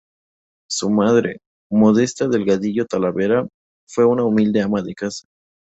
Su madre, Modesta Delgadillo Talavera, fue una humilde ama de casa.